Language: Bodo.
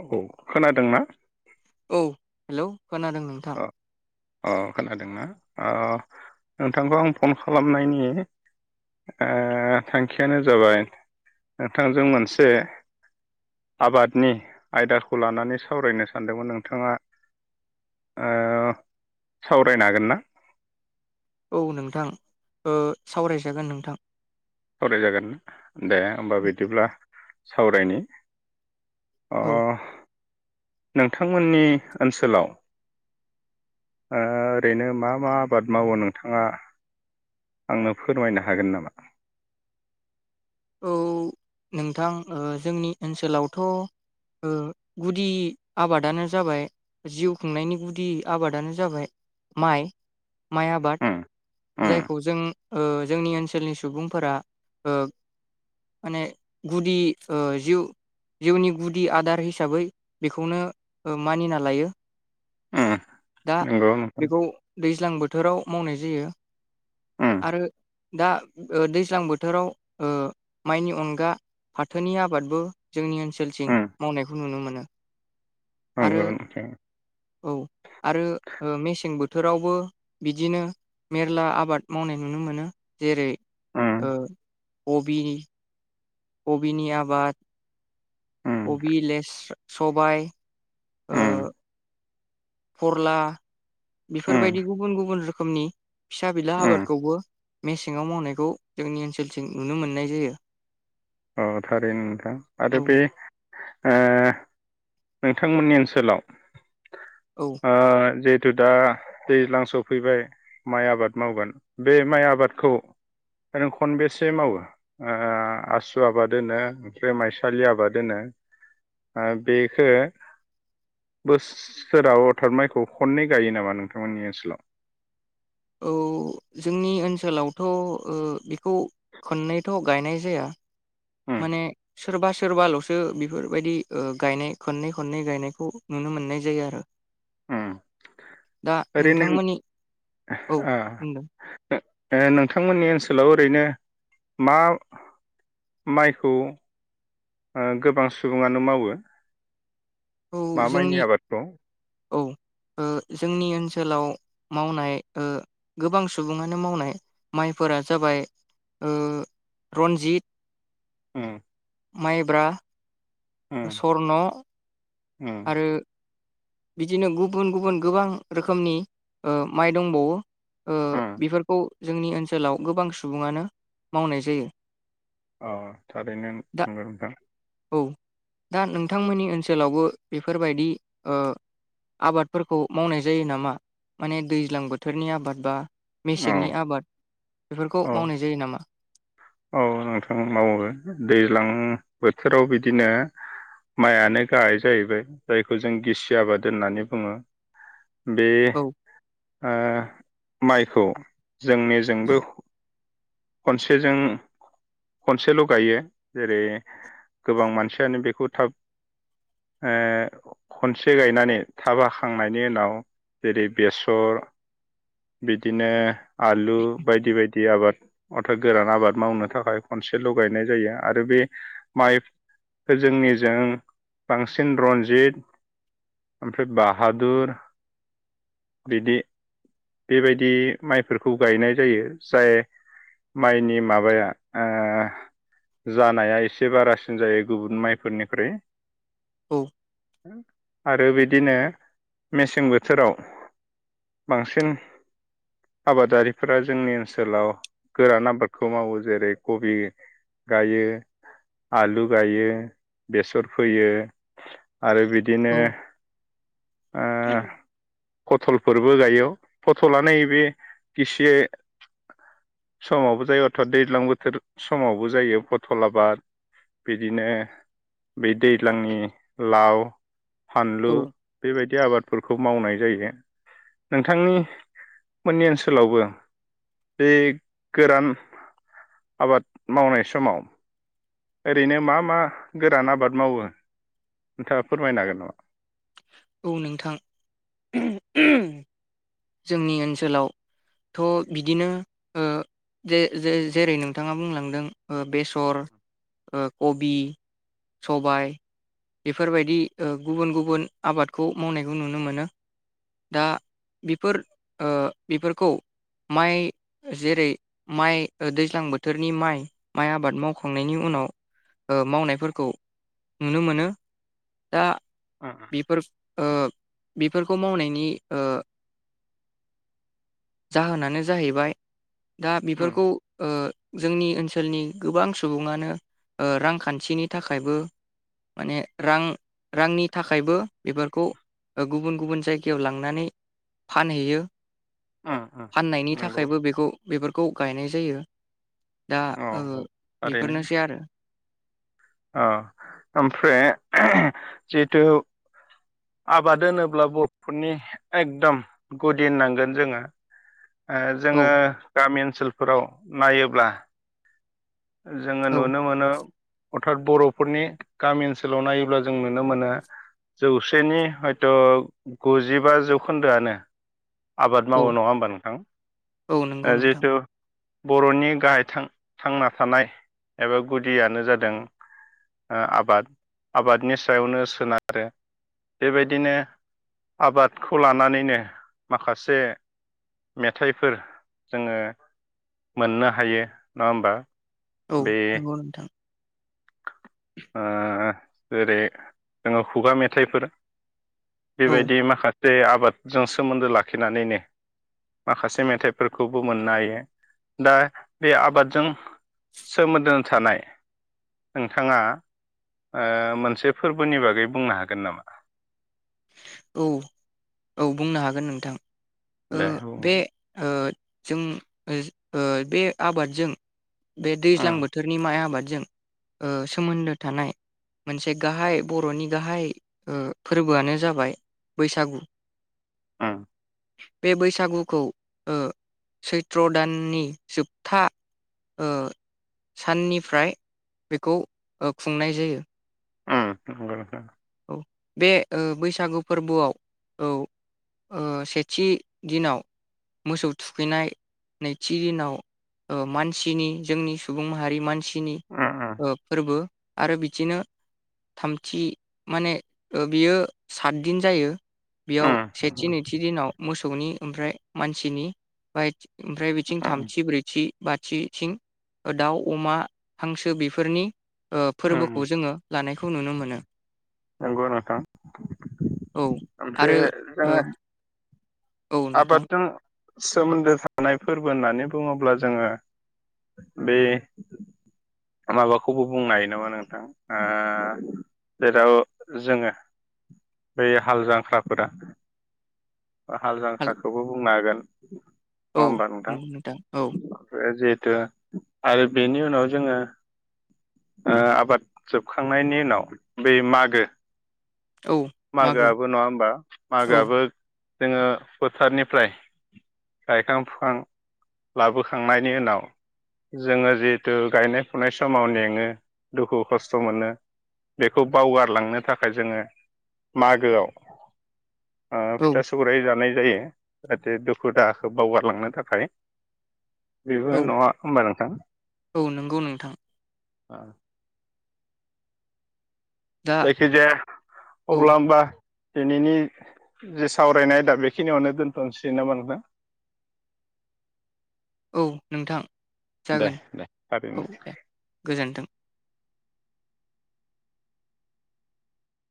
औ खोनादोंना औ हेलौ खोनादों नोंथां अ अ खोनादोंना अ नोंथांखौ आं फन खालामनायनि ओ थांखियानो जाबाय नोंथांजों मोनसे आबादनि आयदाखौ लानानै सावरायनो सानदोंमोन नोंथाङा ओ सावरायनो हागोन ना औ नोंथां ओ सावरायजागोन नोंथां सावरायजागोन दे होमबा बिदिब्ला सावरायनि अ औ नोंथांमोननि ओनसोलाव ओ ओरैनो मा मा आबाद मावो नोंथाङा आंनो फोरमायनो हागोन नामा औ नोंथां ओ जोंनि ओनसोलावथ' ओ गुदि आबादानो जाबाय जिउ खुंनायनि गुदि आबादानो जाबाय माइ माइ आबाद उम उम जायखौ जों ओ जोंनि ओनसोलनि सुबुंफोरा ओ माने गुदि ओ जिउ जिउनि गुदि आदार हिसाबै बेखौनो मानिना लायो उम दा नंगौ नोंथां बेखौ दैज्लां बोथोराव मावनाय जायो उम आरो दा ओ दैज्लां बोथोराव ओ माइनि अनगा फाथोनि आबादबो जोंनि ओनसोलथिं उम मावनायखौ नुनो मोनो आरो नंगौ नोंथां औ आरो ओ मेसें बो थोरावबो बिदिनो मेरला आबाद मावनाय नुनो मोनो जेरै उम ओ अ बिनि अबिनि आबाद उम अबिलेस स्रा सबाइ ओ उम फरला उम बेफोरबायदि गुबुन गुबुन रो रोखोमनि फिसा बिला उम आबादखौबो मेसेङाव मावनायखौ जोंनि ओनसोलथिं नुनो मोननाय जायो औ थारैनो नोंथां आरो औ बे ओ नोंथांमोननि ओनसोलाव औ ओ जे थु दा दैज्लां सफैबाय माइ आबाद मावगोन बे माइ आबादखौ ओरैनो खनबेसे मावो ओ आसु बसु आबाद होनो ओमफ्राय माइसालि आबाद होनो बेखौ बोसोराव अरथाद माइखौ खननै गायो नामा नोंथांमोननि ओनसोलाव औ जोंनि ओनसोलावथ' बेखौ खननैथ' गायनाय जाया उम माने सोरबा सोरबाल'सो बेफोरबायदि गायनाय खननै खननै गायनायखौ नुनो मोननाय जायो आरो उम दा ओरैनो नोंथांमोननि औ आ बुंदों नोंथांमोननि ओनसोलाव ओरैनो मा माइखौ गोबां सुबुङानो मावो औ मा जोंनि माइनि आबादखौ औ जोंनि ओनसोलाव मावनाय गोबां सुबुङानो मावनाय माइफोरा जाबाय रन्जित अम [inaudible] माइब्रा स्वर्न उम आरो बिदिनो गुबुन गुबुन गोबां रोखोमनि माइ दंबावो उम बेफोरखौ जोंनि ओनसोलाव गोबां सुबुङानो मावनाय जायो अ थारैनो दा नंगौ नोंथां औ दा नोंथांमोननि ओनसोलावबो बेफोरबायदि आबादफोरखौ मावनाय जायो नामा माने दैज्लां बोथोरनि आबाद बा औ मेसेंनि आबाद बेफोरखौ औ मावनाय जायो नामा? औ नोंथां मावो दैज्लां बोथोराव बिदिनो माइआनो गाहाय जाहैबाय जायखौ जों गिसि आबाद होननानै बुङो बे औ माइखौ जोंनिजोंबो खनसेजों खनसेल' गायो जेरै गोबां मानसियानो बेखौ थाब खनसे गायनानै थाब हाखांनायनि उनाव जेरै बेसर बिदिनो आलु बायदि बायदि बिदि आबाद अर्था गोरान आबाद मावनो थाखाय खनसेल' गायनाय जायो आरो बे माइ जोंनिजों बांसिन रन्जित ओमफ्राय बाहादुर बिदि बेबायदि माइफोरखौ गायनाय जायो जाय माइनि माबाया जानाया एसे बारासिन जायो गुबुन माइफोरनिख्रुइ औ आरो बिदिनो मेसें बोथोराव बांसिन आबादारिफोरा जोंनि ओनसोलाव गोरान आबादखौ मावो जेरै कबि गायो आलु गायो बेसर फोयो आरो बिदिनो औ ओ फटलफोरबो गायो फटला नैबे गिसि समावबो जायो अर्थात दैज्लां बोथोर समावबो जायो फथल आबाद बिदिनो बि दैज्लांनि लाव फानलु औ बेबायदि आबादफोरखौ खौ मावनाय जायो नोंथांनि मोननि ओनसोलावबो बे गोरान आबाद मावनाय समाव ओरैनो मा मा गोरान आबाद मावो नोंथाङा फोरमायनो हागोन नामा औ नोंथां जोंनि ओनसोलाव थ' बिदिनो जे जेरै नोंथाङा बुंलांदों बेसर कबि सबाय बेफोरबायदि गुबुन गुबुन आबादखौ मावनायखौ नुनो मोनो दा बेफोर बेफोरखौ माइ जेरै माइ दैज्लां बोथोरनि माइ माइ आबाद मावखांनायनि उनाव मावनायफोरखौ नुनो मोनो दा नामा? बेफोर बेफोरखौ मावनायनि जाहोनानो जाहैबाय दा उम बेफोरखौ जोंनि ओनसोलनि गोबां सुबुङानो रांखान्थिनि थाखायबो माने रां रांनि थाखायबो बेफोरखौ गुबुन गुबुन जायगायाव लांनानै फानहैयो उम उम फाननायनि नि उम नंगौ थाखायबो बेखौ बेफोरखौ गायनाय जायो दा औ बेफोरनोसै आरो औ ओमफ्राय जिथु आबाद होनोब्ला बर'फोरनि एकदम गुदि होननांगोन जोङो औ जोङो गामि ओनोल ओनसोलफोराव नायोब्ला जोङो औ नुनो मोनो अर्थात बर'फोरनि गामि ओनसोलाव नायोब्ला जों नुनो मोनो जौसेनि हयथ' गुजिबा जौखोन्दोआनो आबाद मावो औ नङा होमबा नोंथां औ नंगौ नोंथां जिहेथु बर'नि गाहाय थांना थानाय एबा गुदियानो जादों आबाद आबादनि सायावनो सोनारो बेबायदिनो आबादखौ लानानैनो माखासे मेथाइफोर जोङो मोननो हायो नङा होमबा औ बे नंगौ नोंथां जेरै जोङो खुगा मेथाइफोर औ बेबायदि माखासे बे आबादजों सोमोन्दो लाखिनानैनो माखासे मेथाइफोरखौबो मोननो हायो दा बे आबादजों सोमोन्दो थानाय नोंथाङा मोनसे फोरबोनि बागै बुंनो हागोन नामा औ औ बुंनो हागोन नोंथां दे बे बुंनाय जों बे आबादजों बे दैज्लां उम बोथोरनि माइ आबाद सोमोन्दो थानाय मोनसे गाहाय बर'नि गाहाय फोरबोआनो जाबाय बैसागु [inaudible] बे बैसागुखौ सैत्र दाननि जोबथा साननिफ्राय बेखौ खुंनाय जायो उ औ बे बैसागु फोरबोआव औ सेथि दिनाव मोसौ थुखैनाय नैथि दिनाव मानसिनि जोंनि सुबुं माहारि मानसि उम फोरबो आरो बिदिनो थामथि माने बियो सातदिन जायो बेयाव उम सेथि उम नैथि दिनाव मोसौनि ओमफ्राय मानसिनि ब ओमफ्राय बिथिं उम थामथि ब्रैथि बाथिथिं दाउ अमा हांसो बेफोरनि ओ उम फोरबोखौ जोङो लानायखौ नुनो मोनो नोंगौ नोंथां औ आरो ओमफ्राय ओ जोङो औ नोंथां आबादजों सोमोन्दो थानाय फोरबो होननानै बुङोब्ला जोङो बे माबाखौबो बुंनो हायो नामा नोंथां ओ जेराव जोङो बै हाल जांख्लाफोरा हाल जांख्राखौबो बुंनो हागोन [inaudible] अ औ होमबा नोंथां औ नोंथां आरो बेनि उनाव जोङो ओ आबाद जोबखांनायनि उनाव बै मागो औ मागो मागोआबो नङा होमबा औ मागोआबो जोङो फोथारनिफ्राय गायखां फुखां लाबोखांनायनि उनाव जोङो जिहेथु गायनाय फुनाय समाव मेङो दुखु खस्थ' मोनो बेखौ बावगारलांनो थाखाय जोङो मागोआव औ फिथा सौराय जानाय जायो जाहाथे दुखु दाहाखौ बावगारलांनो थाखाय बेबो औ नङा होनबा नोंथां औ नंगौ नोंथां ब दा जायखिजाया औ अब्ला होमबा दिनैनि जे सावरायनाय आयदा बेखिनियावनो दोनथ'सैना नामा नोंथां औ नोंथां दे जागोन दे थारैनो औ दे गोजोनथों।